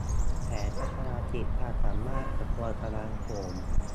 แผนพัฒนาขีดความสามารถกระทรวงกลาโหม